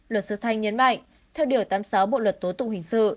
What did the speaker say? luật sư thanh nhấn mạnh theo điều tám mươi sáu bộ luật tố tụng hình sự